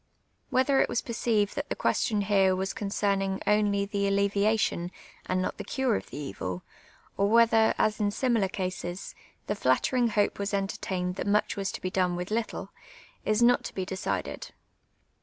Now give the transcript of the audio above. A\ liether it was perceived that the cpiestion here was con cernintr only the alleviation and not tlie cure of the c\'il or whether, as in similar cases, the flattirinj^ hope was enter tained that much was to be done with little, is not to be de cided.